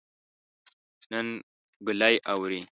نن ګلۍ اوري